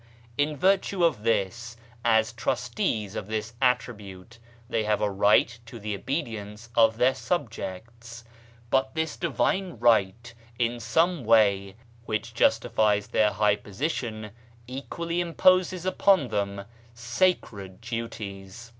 In virtue of this, as trustees of this attribute, they have a right to the obedience of their subjects ; but this divine right, in some way, which justifies their high position, equally imposes upon them sacred duties.